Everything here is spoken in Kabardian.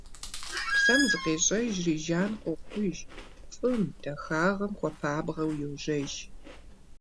Псэм зыкъещӏэжри, жан къохъуж, фӏым, дахагъэм хуэпабгъэу йожьэж.